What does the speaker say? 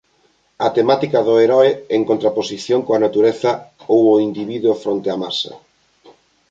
A temática do heroe en contraposición coa natureza ou o individuo fronte a masa.